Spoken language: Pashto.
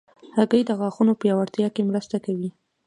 هګۍ د غاښونو پیاوړتیا کې مرسته کوي.